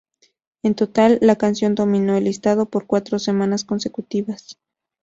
En total, la canción dominó el listado por cuatro semanas consecutivas.